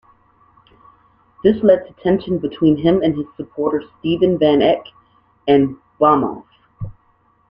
This led to tension between him and his supporter Steven van Eyck and Bomhoff.